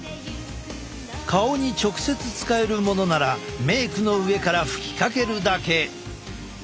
顔に直接使えるものならメークの上からふきかけるだけ！